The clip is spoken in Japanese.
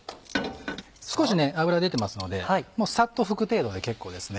少し油出てますのでさっと拭く程度で結構です。